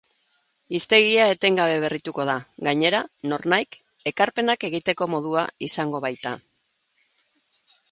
Hiztegia etengabe berrituko da, gainera, nornahik ekarpenak egiteko modua izango baita.